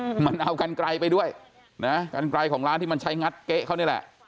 มันเอากันไกลไปด้วยนะกันไกลของร้านที่มันใช้งัดเก๊ะเขานี่แหละ